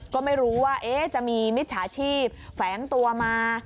ก็ไม่รู้ว่าจะมีมิจฉาชีพแฝงตัวมา